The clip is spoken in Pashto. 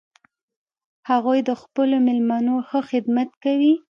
هغوی د خپلو میلمنو ښه خدمت کوي